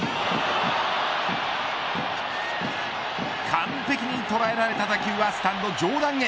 完璧に捉えられた打球はスタンド上段へ。